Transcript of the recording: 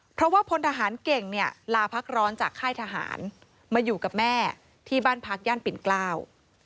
เพราะว่าพลทหารเก่งเนี่ยลาพักร้อนจากค่ายทหารมาอยู่กับแม่ที่บ้านพักย่านปิ่นเกล้า